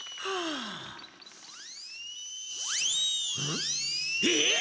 ん？えっ！